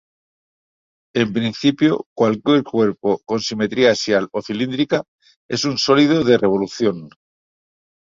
En principio, cualquier cuerpo con simetría axial o cilíndrica es un sólido de revolución.